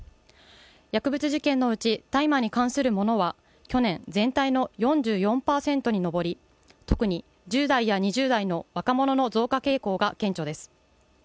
薬物事件のうち、大麻に関するものは去年、全体の４４％に上り、特に１０代や２０代の若者の増加傾向が顕著です。